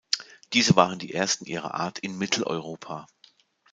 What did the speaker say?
Diese waren die ersten ihrer Art in Mitteleuropa.